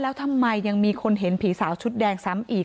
แล้วทำไมยังมีคนเห็นผีสาวชุดแดงซ้ำอีก